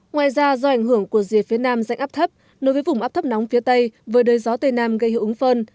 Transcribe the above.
ngoài ra do ảnh hưởng của rìa phía nam dạnh áp thấp nối với vùng áp thấp nóng phía tây với đời gió tây nam gây hữu ứng phân